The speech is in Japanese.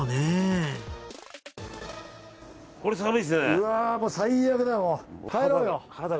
うわもう最悪だよ